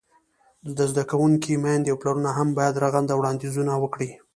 د زده کوونکو میندې او پلرونه هم باید رغنده وړاندیزونه وکړي.